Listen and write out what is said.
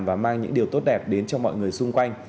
và mang những điều tốt đẹp đến cho mọi người xung quanh